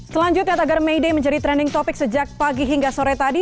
selanjutnya tagar may day menjadi trending topic sejak pagi hingga sore tadi